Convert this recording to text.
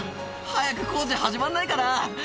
早く工事、始まらないかな。